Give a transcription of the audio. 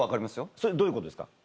それどういうことですか？